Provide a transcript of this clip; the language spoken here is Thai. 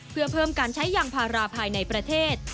เพื่อเพิ่มการใช้ยางพาราภายในประเทศ